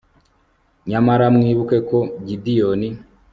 nyamara mwibuke ko gidiyoni